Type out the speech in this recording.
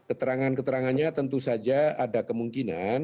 keterangan keterangannya tentu saja ada kemungkinan